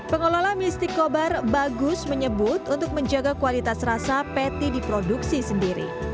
pengelola mie steak kobar bagus menyebut untuk menjaga kualitas rasa patty di produksi sendiri